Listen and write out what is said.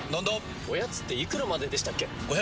おやつっていくらまででしたっけ？